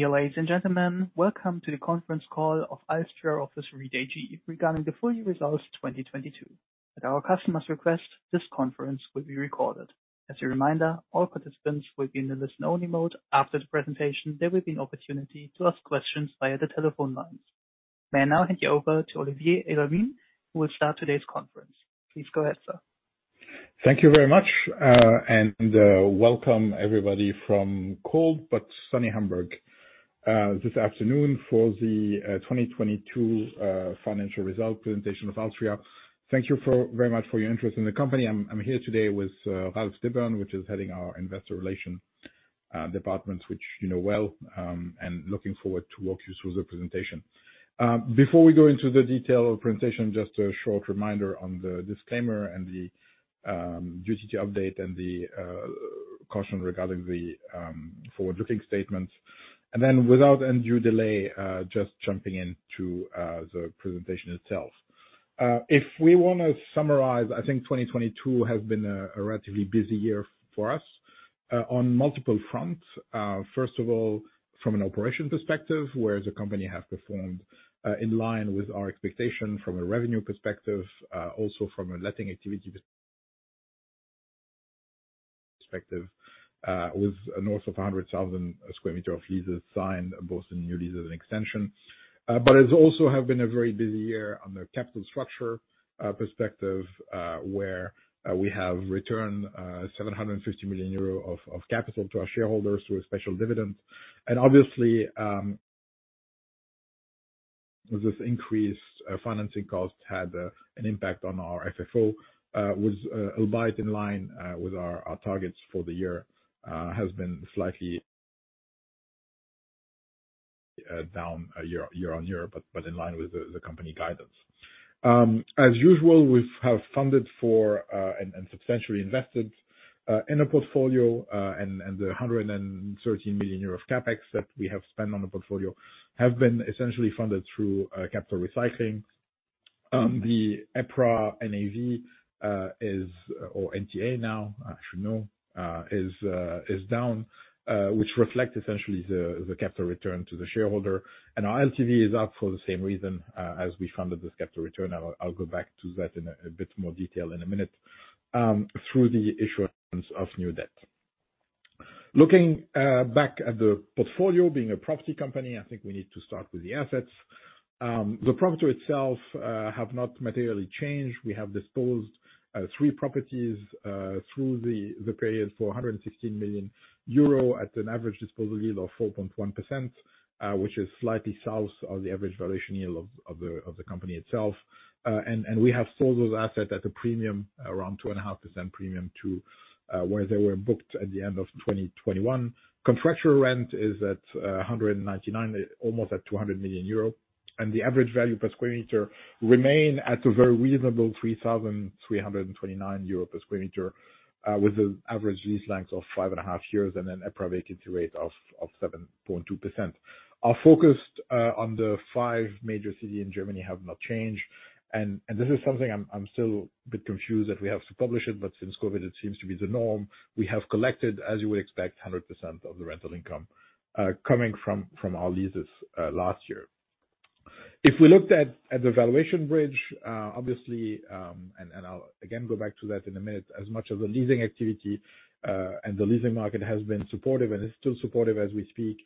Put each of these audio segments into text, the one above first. Dear ladies and gentlemen, Welcome to the Conference Call of alstria office REIT-AG regarding the Full Year results 2022. At our customer's request, this conference will be recorded. As a reminder, all participants will be in the listen-only mode. After the presentation, there will be an opportunity to ask questions via the telephone lines. May I now hand you over to Olivier Elamine, who will start today's conference. Please go ahead, sir. Thank you very much. Welcome everybody from cold but sunny Hamburg this afternoon for the 2022 financial result presentation of alstria. Thank you very much for your interest in the company. I'm here today with Ralf Dibbern, which is heading our investor relation departments, which you know well, and looking forward to walk you through the presentation. Before we go into the detail of presentation, just a short reminder on the disclaimer and the duty to update and the caution regarding the forward-looking statements. Without any due delay, just jumping into the presentation itself. If we wanna summarize, I think 2022 has been a relatively busy year for us on multiple fronts. First of all, from an operation perspective, where the company have performed in line with our expectation from a revenue perspective, also from a letting activity perspective, with north of 100,000 square meter of leases signed, both in new leases and extension. It also have been a very busy year on the capital structure perspective, where we have returned 750 million euro of capital to our shareholders through a special dividend. Obviously, with this increased financing cost had an impact on our FFO, albeit in line with our targets for the year, has been slightly down year-on-year, but in line with the company guidance. As usual, we have funded for and substantially invested in a portfolio, and the 113 million euros of CapEx that we have spent on the portfolio have been essentially funded through capital recycling. The EPRA NAV is, or NTA now, I should know, is down, which reflect essentially the capital return to the shareholder. Our LTV is up for the same reason, as we funded this capital return. I'll go back to that in a bit more detail in a minute, through the issuance of new debt. Looking back at the portfolio, being a property company, I think we need to start with the assets. The property itself have not materially changed. We have disposed three properties through the period for 116 million euro at an average disposal yield of 4.1%, which is slightly south of the average valuation yield of the company itself. We have sold those assets at a premium, around 2.5% premium to where they were booked at the end of 2021. Contractual rent is at 199, almost at 200 million euro. The average value per square meter remain at a very reasonable 3,329 euro per square meter with an average lease length of five and a half years and an EPRA vacancy rate of 7.2%. Our focus on the 5 major city in Germany have not changed. This is something I'm still a bit confused that we have to publish it, but since COVID, it seems to be the norm. We have collected, as you would expect, 100% of the rental income coming from our leases last year. If we looked at the valuation bridge, obviously, I'll again go back to that in a minute. As much as the leasing activity and the leasing market has been supportive and is still supportive as we speak,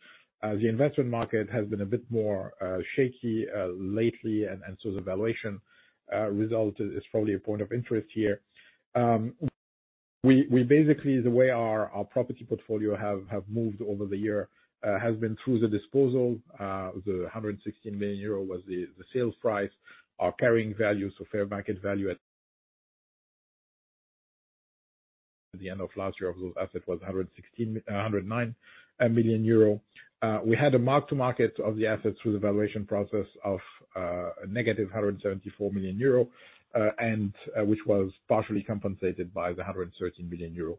the investment market has been a bit more shaky lately. So the valuation result is probably a point of interest here. We basically, the way our property portfolio moved over the year has been through the disposal. The 116 million euro was the sales price. Our carrying value, so fair market value at the end of last year of those assets was 109 million euro. We had a mark to market of the assets through the valuation process of a negative 174 million euro, which was partially compensated by the 113 million euro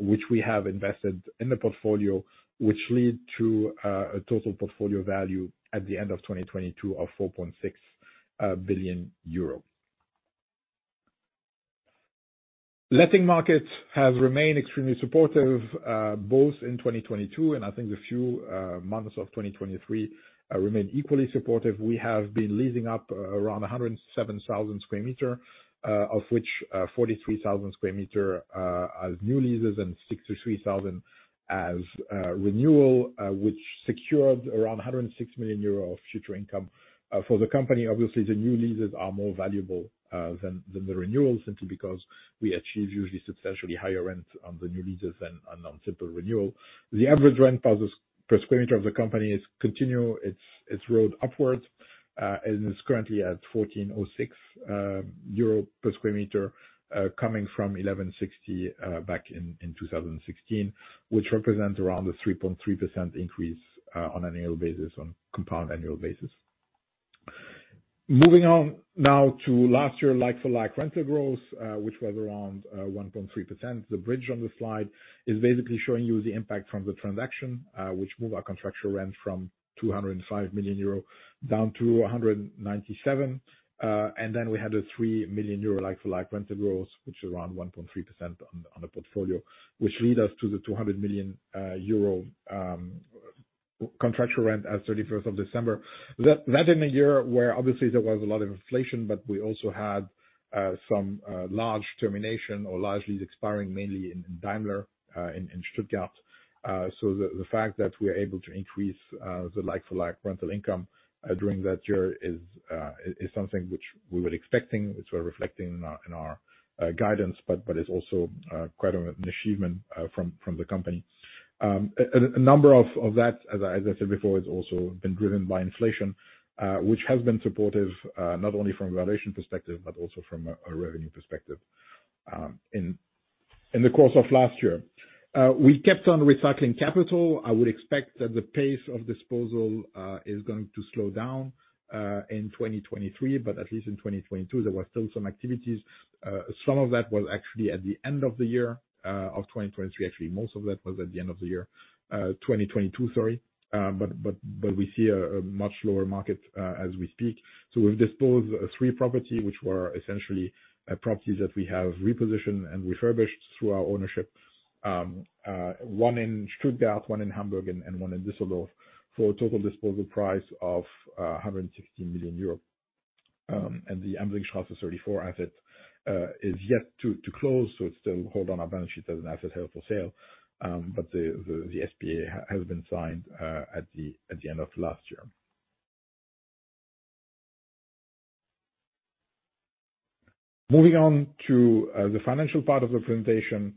which we have invested in the portfolio, which lead to a total portfolio value at the end of 2022 of 4.6 billion euro. Letting markets have remained extremely supportive, both in 2022 and I think the few months of 2023 remain equally supportive. We have been leasing up around 107,000 square meter, of which 43,000 square meter, as new leases and 63,000 as renewal, which secured around 106 million euros of future income. For the company, obviously, the new leases are more valuable than the renewals, simply because we achieve usually substantially higher rents on the new leases than on simple renewal. The average rent per square meter of the company is continue its road upwards, and is currently at 14.06 euro per square meter, coming from 11.60 back in 2016, which represents around the 3.3% increase on an annual basis on compound annual basis. Moving on now to last year like-for-like rental growth, which was around 1.3%. The bridge on the slide is basically showing you the impact from the transaction, which moved our contractual rent from 205 million euro down to 197 million. We had a 3 million euro like-for-like rental growth, which is around 1.3% on the portfolio, which led us to the 200 million euro contractual rent as 31st of December. In a year where obviously there was a lot of inflation, but we also had some large termination or large leases expiring, mainly in Daimler, in Stuttgart. The fact that we're able to increase the like-for-like rental income during that year is something which we were expecting, which we're reflecting in our guidance, but it's also quite an achievement from the company. A number of that, as I said before, has also been driven by inflation, which has been supportive not only from a valuation perspective, but also from a revenue perspective in the course of last year. We kept on recycling capital. I would expect that the pace of disposal is going to slow down in 2023, but at least in 2022, there were still some activities. Some of that was actually at the end of the year of 2023. Actually, most of that was at the end of the year, 2022, sorry. We see a much lower market as we speak. We've disposed three property, which were essentially properties that we have repositioned and refurbished through our ownership. One in Stuttgart, one in Hamburg, and one in Düsseldorf, for a total disposal price of 160 million euros. The Amalienstraße 34 asset is yet to close, so it's still hold on our balance sheet as an asset held for sale. The SPA has been signed at the end of last year. Moving on to the financial part of the presentation.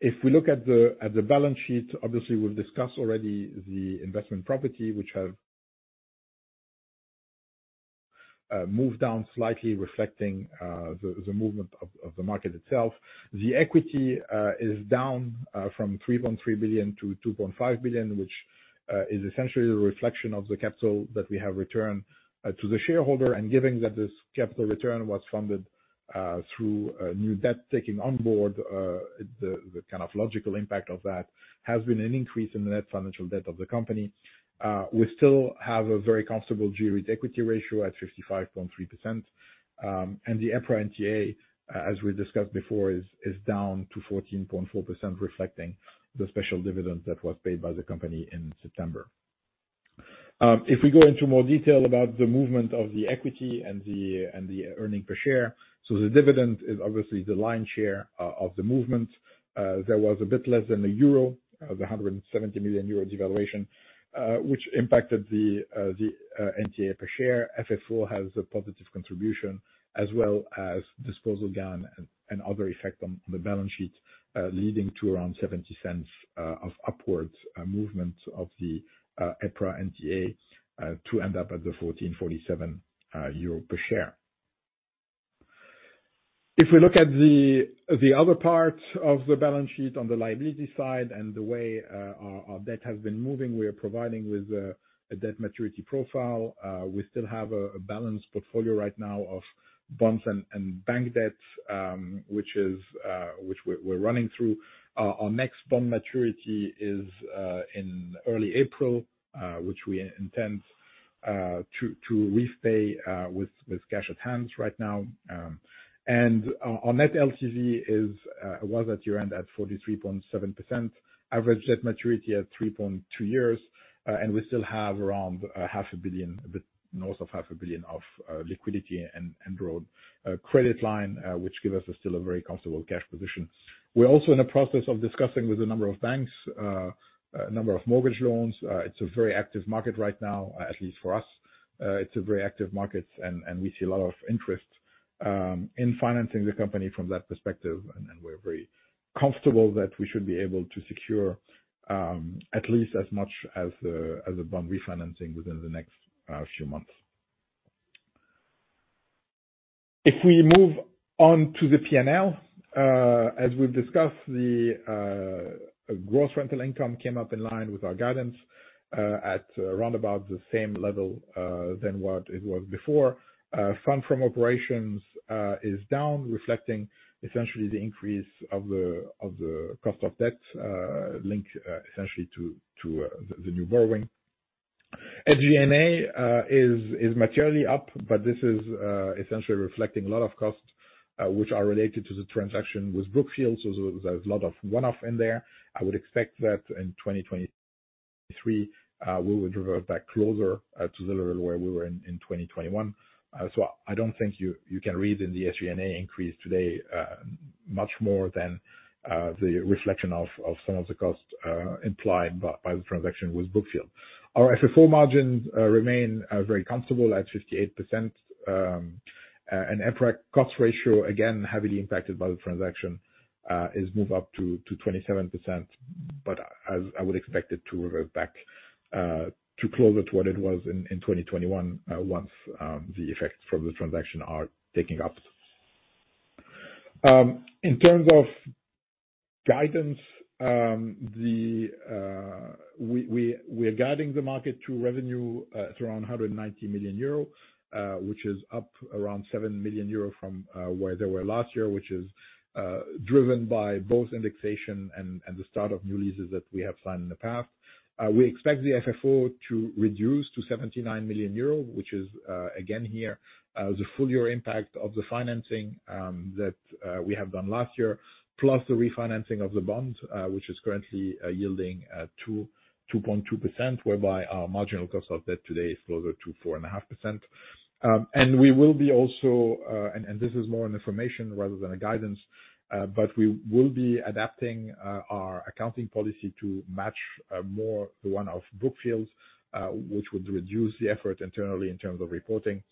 If we look at the balance sheet, obviously we've discussed already the investment property which have moved down slightly reflecting the movement of the market itself. The equity is down from 3.3 billion to 2.5 billion, which is essentially the reflection of the capital that we have returned to the shareholder, giving that this capital return was funded through new debt taking on board. The kind of logical impact of that has been an increase in the net financial debt of the company. We still have a very comfortable G-REIT equity ratio at 55.3%. The EPRA NTA, as we discussed before is down to 14.4%, reflecting the special dividend that was paid by the company in September. If we go into more detail about the movement of the equity and the earnings per share. The dividend is obviously the lion's share of the movement. There was a bit less than EUR 1, of the 170 million euro devaluation, which impacted the NTA per share. FFO has a positive contribution as well as disposal gain and other effect on the balance sheet, leading to around 0.70 of upwards movement of the EPRA NTA, to end up at the 14.47 euro per share. If we look at the other part of the balance sheet on the liability side and the way our debt has been moving, we are providing with a debt maturity profile. We still have a balanced portfolio right now of bonds and bank debts, which we're running through. Our next bond maturity is in early April, which we intend to repay with cash at hand right now. Our Net LTV is was at year-end at 43.7%. Average debt maturity at 3.2 years. We still have around half a billion, a bit north of half a billion of liquidity and broad credit line, which give us a still a very comfortable cash position. We're also in the process of discussing with a number of banks, a number of mortgage loans. It's a very active market right now, at least for us. It's a very active market and we see a lot of interest in financing the company from that perspective. We're very comfortable that we should be able to secure at least as much as the bond refinancing within the next few months. If we move on to the P&L. As we've discussed, the gross rental income came up in line with our guidance at around about the same level than what it was before. Fund from operations is down, reflecting essentially the increase of the cost of debt linked essentially to the new borrowing. SG&A is materially up. This is essentially reflecting a lot of costs which are related to the transaction with Brookfield. There's a lot of one-off in there. I would expect that in 2023, we would revert back closer to the level where we were in 2021 as well. I don't think you can read in the SG&A increase today much more than the reflection of some of the costs implied by the transaction with Brookfield. Our FFO margins remain very comfortable at 58%. EPRA cost ratio, again, heavily impacted by the transaction, is moved up to 27%. As I would expect it to revert back to closer to what it was in 2021 once the effects from the transaction are taking up. In terms of Guidance, we're guiding the market to revenue at around 190 million euro, which is up around 7 million euro from where they were last year, which is driven by both indexation and the start of new leases that we have signed in the past. We expect the FFO to reduce to 79 million euro, which is again here, the full year impact of the financing that we have done last year, plus the refinancing of the bonds, which is currently yielding 2.2%, whereby our marginal cost of debt today is closer to 4.5%. We will be also, and this is more information rather than a guidance, but we will be adapting our accounting policy to match more the one of Brookfield, which would reduce the effort internally in terms of reporting.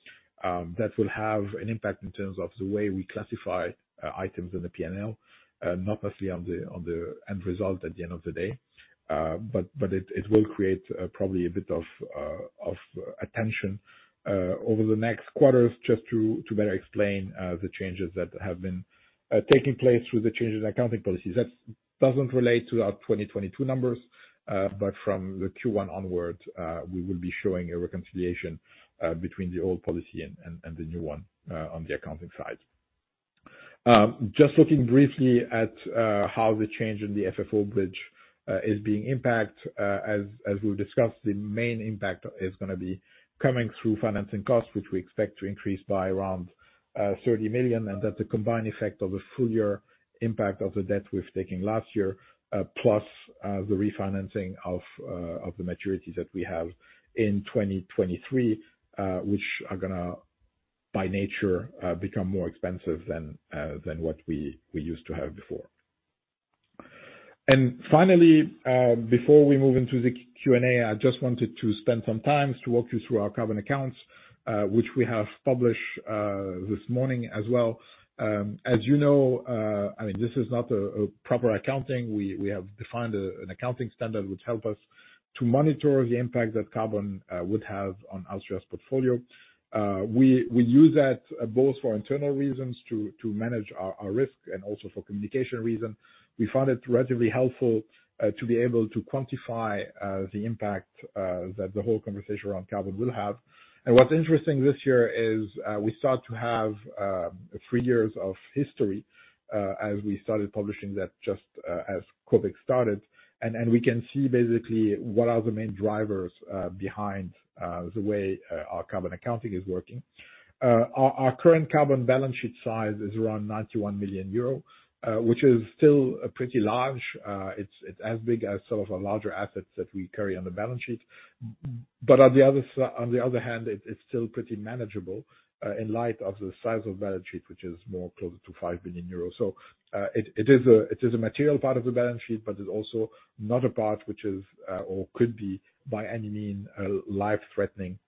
That will have an impact in terms of the way we classify items in the P&L, not necessarily on the end result at the end of the day. It will create probably a bit of attention over the next quarters just to better explain the changes that have been taking place with the changes in accounting policies. That doesn't relate to our 2022 numbers, but from the Q1 onwards, we will be showing a reconciliation between the old policy and the new one on the accounting side. Just looking briefly at how the change in the FFO bridge is being impact. As we've discussed, the main impact is gonna be coming through financing costs, which we expect to increase by around 30 million, and that the combined effect of a full year impact of the debt we've taken last year, plus the refinancing of the maturities that we have in 2023, which are gonna, by nature, become more expensive than what we used to have before. Finally, before we move into the Q&A, I just wanted to spend some time to walk you through our carbon accounts, which we have published this morning as well. As you know, I mean, this is not a proper accounting. We have defined an accounting standard which help us to monitor the impact that carbon would have on alstria's portfolio. We use that both for internal reasons to manage our risk and also for communication reasons. We found it relatively helpful to be able to quantify the impact that the whole conversation around carbon will have. What's interesting this year is we start to have three years of history as we started publishing that just as COVID started. We can see basically what are the main drivers behind the way our carbon accounting is working. Our current carbon balance sheet size is around 91 million euro, which is still pretty large. It's as big as some of our larger assets that we carry on the balance sheet. On the other hand, it's still pretty manageable in light of the size of balance sheet, which is more closer to 5 billion euros. It is a material part of the balance sheet, but it's also not a part which is or could be by any means life-threatening.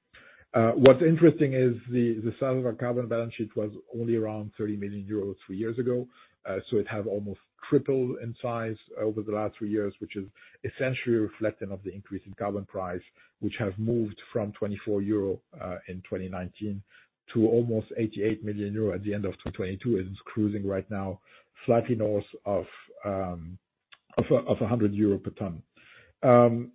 What's interesting is the size of our carbon balance sheet was only around 30 million euros three years ago. It has almost tripled in size over the last three years, which is essentially a reflection of the increase in carbon price, which has moved from 24 euro in 2019 to almost 88 million euro at the end of 2022. It is cruising right now, slightly north of a EUR 100 per ton. We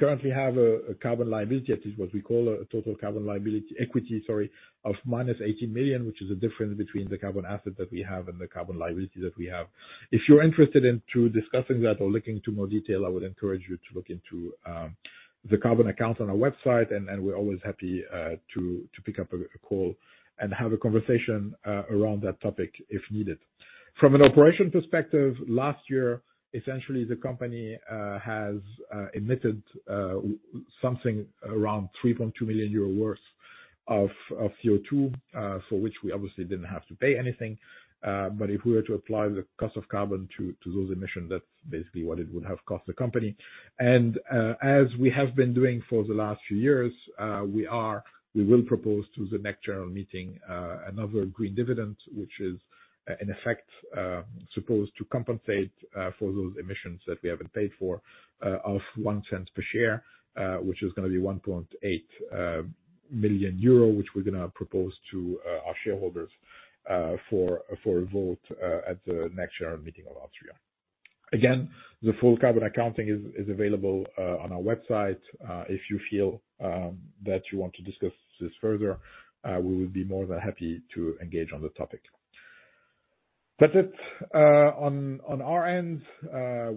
currently have a carbon liability. It is what we call a total carbon liability equity, sorry, of minus 80 million, which is a difference between the carbon assets that we have and the carbon liability that we have. If you're interested in to discussing that or looking into more detail, I would encourage you to look into the carbon accounts on our website, and we're always happy to pick up a call and have a conversation around that topic if needed. From an operation perspective, last year, essentially, the company has emitted something around 3.2 million euro worth of CO2, for which we obviously didn't have to pay anything. But if we were to apply the cost of carbon to those emissions, that's basically what it would have cost the company. As we have been doing for the last few years, we will propose to the next general meeting another Green Dividend, which is in effect supposed to compensate for those emissions that we haven't paid for, of one cent per share, which is going to be 1.8 million euro, which we're going to propose to our shareholders for a vote at the next general meeting of alstria. Again, the full carbon accounting is available on our website. If you feel that you want to discuss this further, we would be more than happy to engage on the topic. That's it on our end.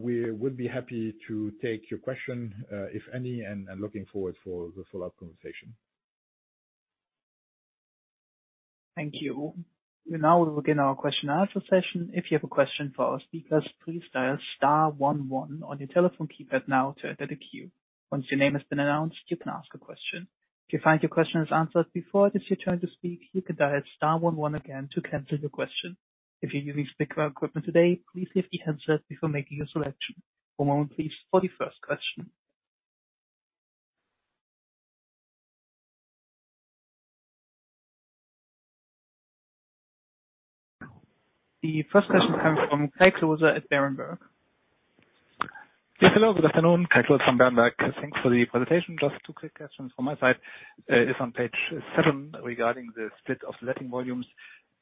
We would be happy to take your question, if any, I'm looking forward for the follow-up conversation. Thank you. We now begin our question and answer session. If you have a question for our speakers, please dial star one one on your telephone keypad now to enter the queue. Once your name has been announced, you can ask a question. If you find your question is answered before it is your turn to speak, you can dial star one one again to cancel your question. If you're using speakerphone equipment today, please mute the handset before making a selection. One moment please for the first question. The first question comes from Kai Klose at Berenberg. Yes, hello. Good afternoon. Kai Klose from Berenberg. Thanks for the presentation. Just two quick questions from my side. It's on page seven regarding the split of letting volumes.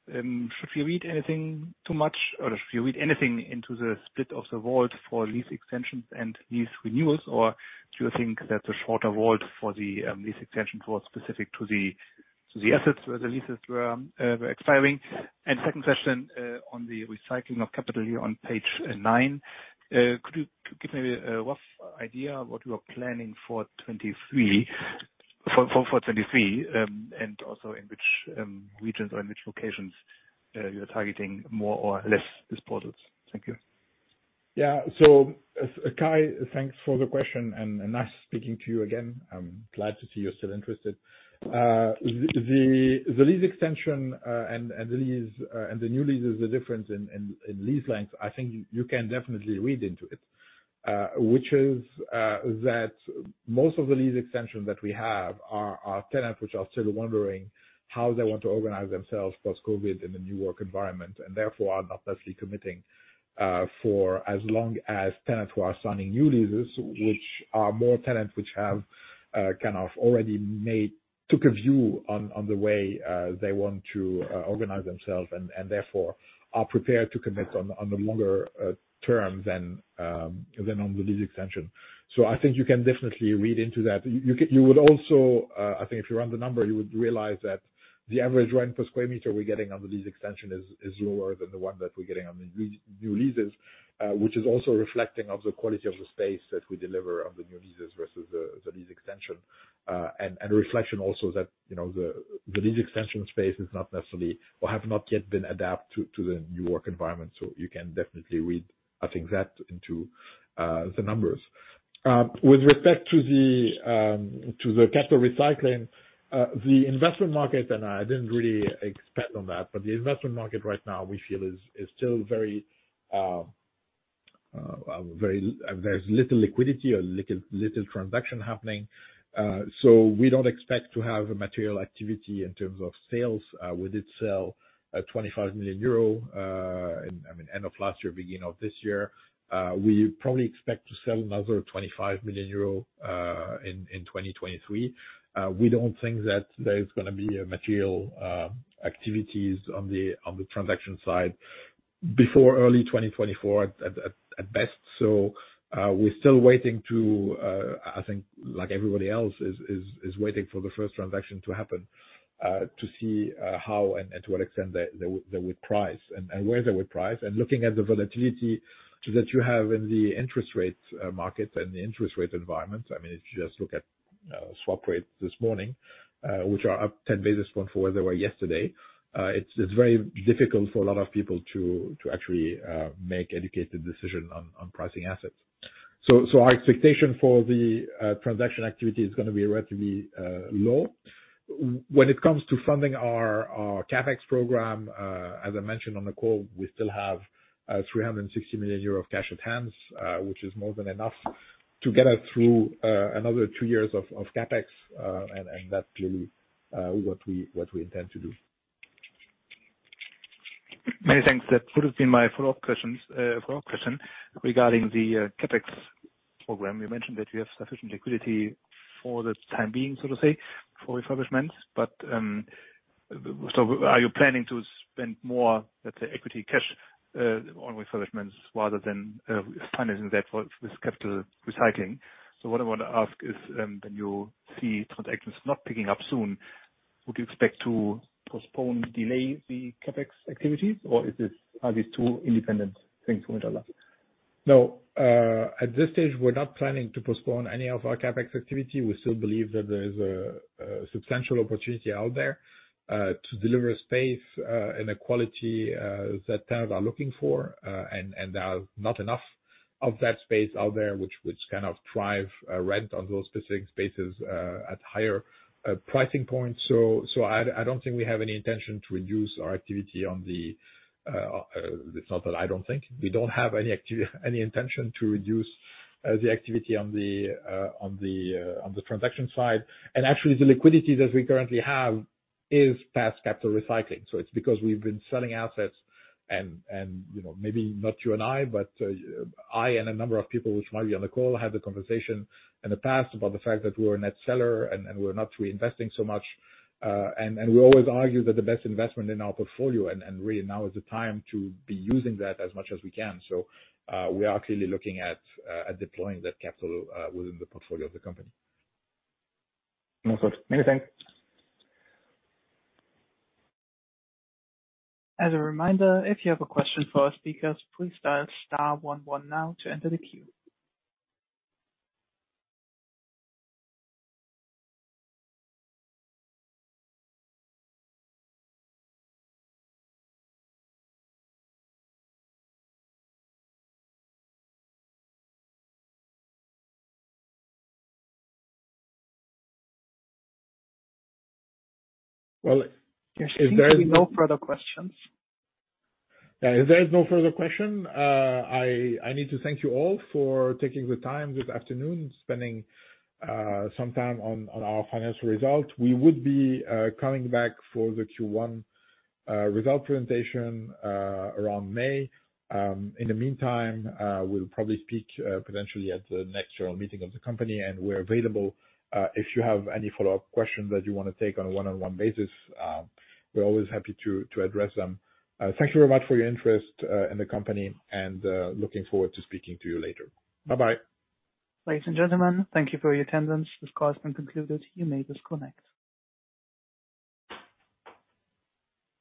Should we read anything too much or should we read anything into the split of the vault for lease extensions and lease renewals? Or do you think that the shorter vault for the lease extension specific to the assets where the leases were expiring? Second question, on the recycling of capital here on page nine, could you give me a rough idea what you are planning for 2023, and also in which regions or in which locations you're targeting more or less disposals? Thank you. Kai, thanks for the question and nice speaking to you again. I'm glad to see you're still interested. The lease extension and the lease and the new leases, the difference in lease lengths, I think you can definitely read into it. Which is that most of the lease extensions that we have are tenants which are still wondering how they want to organize themselves post-COVID in the new work environment, and therefore are not necessarily committing for as long as tenants who are signing new leases, which are more tenants which have kind of already made took a view on the way they want to organize themselves and therefore are prepared to commit on the longer term than on the lease extension. I think you can definitely read into that. You would also, I think if you run the number, you would realize that the average rent per square meter we're getting on the lease extension is lower than the one that we're getting on the new leases, which is also reflecting of the quality of the space that we deliver on the new leases versus the lease extension. Reflection also that, you know, the lease extension space is not necessarily or have not yet been adapt to the new work environment. You can definitely read, I think that, into the numbers. With respect to the capital recycling, the investment market, I didn't really expand on that, but the investment market right now we feel is still very. There's little liquidity or little transaction happening. We don't expect to have a material activity in terms of sales. We did sell 25 million euro in, I mean, end of last year, beginning of this year. We probably expect to sell another 25 million euro in 2023. We don't think that there's gonna be a material activities on the transaction side before early 2024 at best. We're still waiting to, I think like everybody else, is waiting for the first transaction to happen, to see how and at what extent they would price and where they would price. Looking at the volatility that you have in the interest rates market and the interest rate environment, I mean, if you just look at swap rates this morning, which are up 10 basis point from where they were yesterday, it's very difficult for a lot of people to actually make educated decision on pricing assets. Our expectation for the transaction activity is gonna be relatively low. When it comes to funding our CapEx program, as I mentioned on the call, we still have 360 million euro of cash at hands, which is more than enough to get us through another 2 years of CapEx. That's really, what we intend to do. Many thanks. That would have been my follow-up questions. Follow-up question regarding the CapEx program. You mentioned that you have sufficient liquidity for the time being, so to say, for refurbishment, but are you planning to spend more, let's say, equity cash, on refurbishments rather than financing that this capital recycling? What I wanna ask is, when you see transactions not picking up soon, would you expect to postpone, delay the CapEx activities, or are these two independent things from each other? At this stage, we're not planning to postpone any of our CapEx activity. We still believe that there is a substantial opportunity out there to deliver space and the quality that tenants are looking for, and there are not enough of that space out there, which kind of drive rent on those specific spaces at higher pricing points. I don't think we have any intention to reduce our activity on the. It's not that I don't think. We don't have any intention to reduce the activity on the transaction side. The liquidity that we currently have is past capital recycling. It's because we've been selling assets and, you know, maybe not you and I, but I and a number of people which might be on the call, had the conversation in the past about the fact that we're a net seller and we're not really investing so much. We always argue that the best investment in our portfolio and really now is the time to be using that as much as we can. We are clearly looking at deploying that capital within the portfolio of the company. All good. Many thanks. As a reminder, if you have a question for our speakers, please dial star one one now to enter the queue. Well. There seem to be no further questions. Yeah, if there is no further question, I need to thank you all for taking the time this afternoon, spending some time on our financial results. We would be coming back for the Q1 result presentation around May. In the meantime, we'll probably speak potentially at the next general meeting of the company, and we're available, if you have any follow-up questions that you wanna take on a one-on-one basis, we're always happy to address them. Thank you very much for your interest in the company and looking forward to speaking to you later. Bye-bye. Ladies and gentlemen, thank you for your attendance. This call has been concluded. You may disconnect.